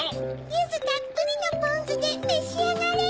ゆずたっぷりのぽんずでめしあがれ！